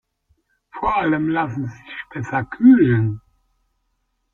Vor allem lassen sie sich besser kühlen.